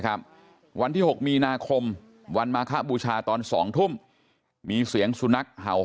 วันที่๖มีนาคมวันมาคบูชาตอน๒ทุ่มมีเสียงสุนัขเห่า